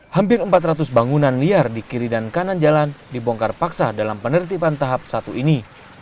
hampir empat ratus bangunan liar di kiri dan kanan jalan dibongkar paksa dalam penertiban tahap satu ini